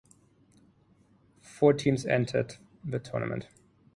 Four teams entered the tournament.